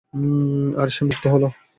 আর সে মুক্ত হল।